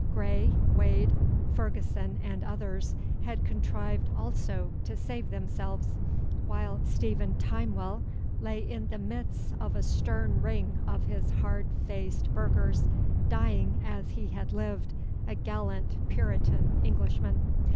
Grey, Wade, Ferguson, and others had contrived also to save themselves, while Stephen Timewell lay in the midst of a stern ring of his hard faced burghers, dying as he had lived, a gallant Puritan Englishman.